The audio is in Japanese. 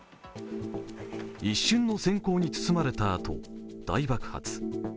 一瞬のせん光に包まれたあと大爆発。